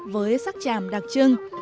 với sắc chàm đặc trưng